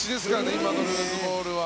今のルーズボールは。